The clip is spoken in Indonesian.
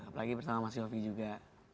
apalagi bersama mas yofi juga